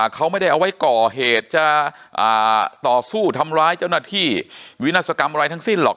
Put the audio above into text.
เขาไม่ได้เอาไว้ก่อเหตุจะต่อสู้ทำร้ายเจ้าหน้าที่วินาศกรรมอะไรทั้งสิ้นหรอก